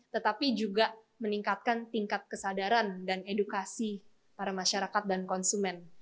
tetapi juga meningkatkan tingkat kesadaran dan edukasi para masyarakat dan konsumen